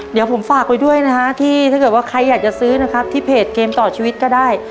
เดี๋ยวผมฝากไว้ด้วยนะฮะที่ถ้าเกิดว่าใครอยากจะซื้อนะครับที่เพจเกมต่อชีวิตก็ได้